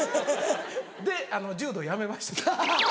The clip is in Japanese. で柔道やめました。